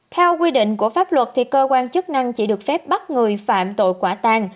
theo quy định của pháp luật cơ quan chức năng chỉ được phép bắt người phạm tội quả tàn